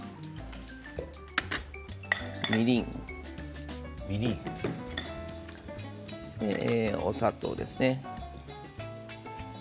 みりん、お砂糖ですね。